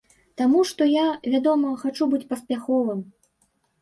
Таму што я, вядома, хачу быць паспяховым.